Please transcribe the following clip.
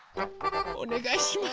おねがいします。